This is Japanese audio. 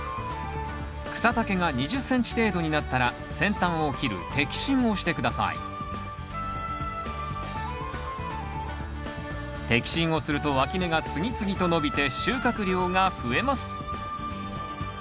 草丈が２０ｃｍ程度になったら先端を切る摘心をして下さい摘心をするとわき芽が次々と伸びて収穫量が増えます